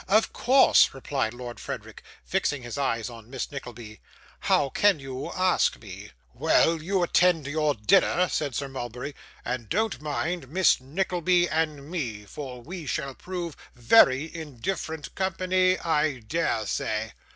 'Of course,' replied Lord Frederick, fixing his eyes on Miss Nickleby, 'how can you a ask me?' 'Well, you attend to your dinner,' said Sir Mulberry, 'and don't mind Miss Nickleby and me, for we shall prove very indifferent company, I dare say.